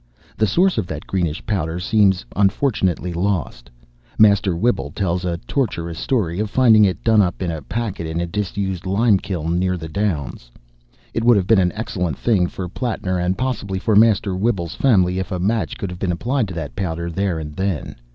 The source of that greenish powder seems, unfortunately, lost. Master Whibble tells a tortuous story of finding it done up in a packet in a disused limekiln near the Downs. It would have been an excellent thing for Plattner, and possibly for Master Whibble's family, if a match could have been applied to that powder there and then.